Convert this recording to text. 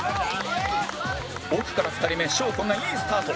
奥から２人目祥子がいいスタート